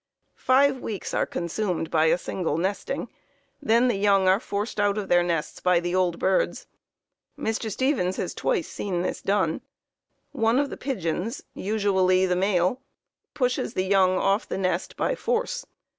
"Five weeks are consumed by a single nesting. Then the young are forced out of their nests by the old birds. Mr. Stevens has twice seen this done. One of the pigeons, usually the male, pushes the young off the nest by force.